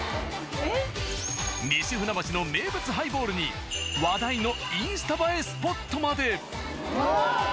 西船橋の名物ハイボールに話題のインスタ映えスポットまで。